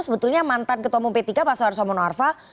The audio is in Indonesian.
sebetulnya mantan ketua umum p tiga pak soeharto mono arfa